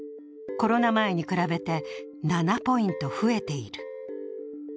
コロナ前に比べて７ポイント増えている。